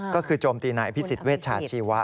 ก็คือโจมตีนายพิสิทธิ์เวชชาชีวะ